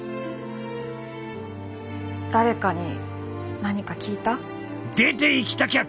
誰かに何か聞いた？